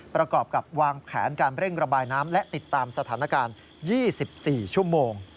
ประกอบกับวางแผนการเร่งระบายน้ำและติดตามสถานการณ์๒๔ชั่วโมง